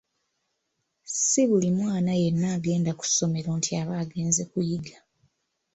Si buli mwana yenna agenda ku ssomero nti aba agenze kuyiga.